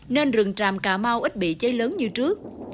nên rừng tràm cà mau ít bị cháy lớn như trước